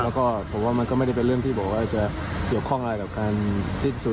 แล้วก็ผมว่ามันก็ไม่ได้เป็นเรื่องที่บอกว่าจะเกี่ยวข้องอะไรกับการสิ้นสุด